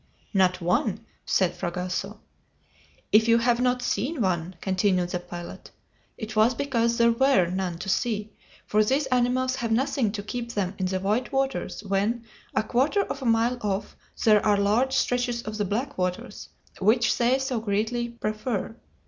"Not one," said Fragoso. "If you have not seen one," continued the pilot, "it was because there were none to see, for these animals have nothing to keep them in the white waters when, a quarter of a mile off, there are large stretches of the black waters, which they so greatly prefer.